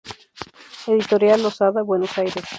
Editorial Losada, Buenos Aires.